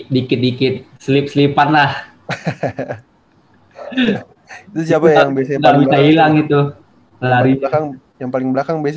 dikit dikit slip slip anlah itu siapa yang bisa hilang itu lari yang paling belakang